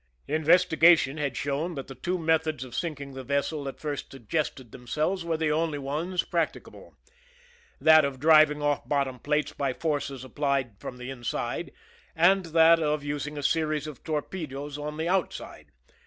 Investigation had shown that the two methods of sinking the vessel that first suggested themselves were the only ones practicable— that of driving off bottom plates by forces applied from the inside, and that of using a series of torpedoes on the out side.